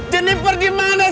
jennifer di mana sayang